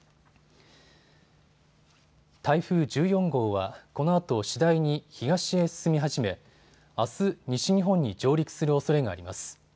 台風１４号はこのあと次第に東へ進みはじめあす、西日本に上陸するおそれがあります。